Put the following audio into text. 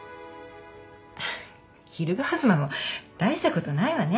昼顔妻も大したことないわね。